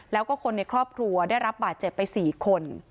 แล้วก็คนในครอบครัวได้รับบาดเจ็บไป๔คน